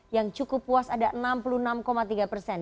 yang cukup puas ada enam puluh enam tiga persen